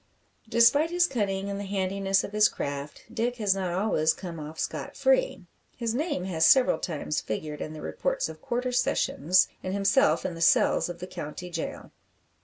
Despite his cunning and the handiness of his craft, Dick has not always come off scot free. His name has several times figured in the reports of Quarter Sessions, and himself in the cells of the county gaol.